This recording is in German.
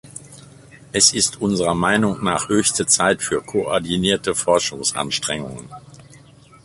Es ist unserer Meinung nach höchste Zeit für koordinierte Forschungsanstrengungen.